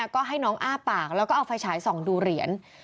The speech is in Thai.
ก็ให้น้องอ้าปากแล้วก็เอาไฟฉายส่องดูเหรียญ